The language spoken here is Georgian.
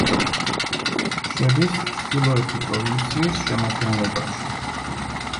შედის ჩრდილოეთი პროვინციის შემადგენლობაში.